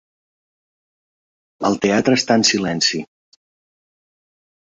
El teatre està en silenci.